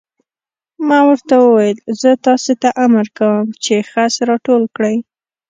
ما ورته وویل: زه تاسې ته امر کوم چې خس را ټول کړئ.